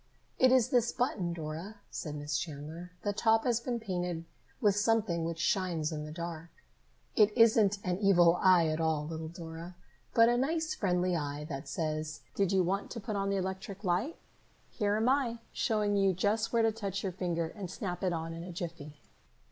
"It is this button, Dora," said Miss Chandler. "The top has been painted with something which shines in the dark. It isn't an evil eye at all, little Dora, but a nice friendly eye that says, 'Did you want to put on the electric light? Here am I, showing you just where to touch your finger and snap it on in a jiffy!